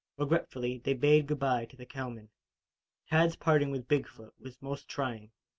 Regretfully they bade good bye to the cowmen. Tad's parting with Big foot was most trying.